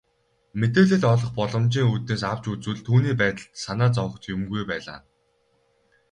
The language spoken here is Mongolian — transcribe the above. Мэдээлэл олох боломжийн үүднээс авч үзвэл түүний байдалд санаа зовох юмгүй байлаа.